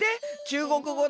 「中国語！